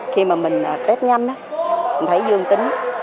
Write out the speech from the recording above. khi mà mình tết nhanh á mình thấy dương tính